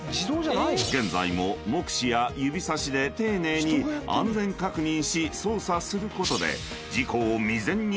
［現在も目視や指さしで丁寧に安全確認し操作することで］